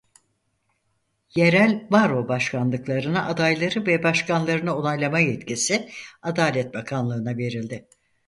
Yerel baro başkanlıklarına adayları ve başkanlarını onaylama yetkisi Adalet Bakanlığı'na verildi.